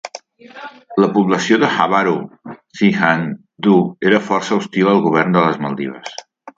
La població de Havaru Thinadhoo era força hostil al govern de les Maldives.